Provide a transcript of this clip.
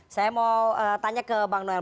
saya mau tanya ke bang noel